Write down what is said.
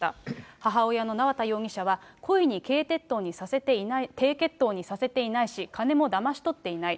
母親の縄田容疑者は、故意に低血糖にさせていないし、金もだまし取っていない。